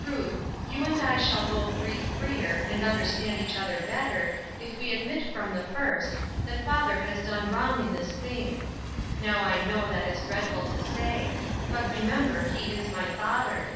Ruth, you and I shall both breathe freer, and understand each other better, if we admit from the first, that father has done wrong in this thing. Now I know that is dreadful to say. But remember, he is my father.